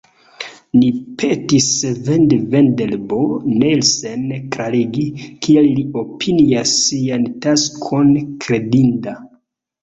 Ni petis Svend Vendelbo Nielsen klarigi, kial li opinias sian takson kredinda.